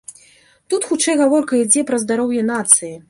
Тут хутчэй гаворка ідзе пра здароўе нацыі.